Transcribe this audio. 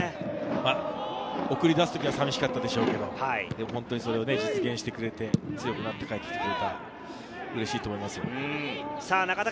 送り出すときはさみしかったでしょうけれど、それを実現してくれて、強くなって帰って来てくれた、うれしいと思いますよ。